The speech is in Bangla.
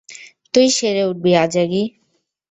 তুই সেরে উঠবি, আজাগী।